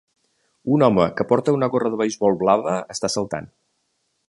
Un home que porta una gorra de beisbol blava està saltant.